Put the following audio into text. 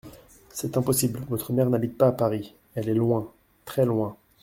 C'est impossible, votre mère n'habite pas Paris ; elle est loin, très loin.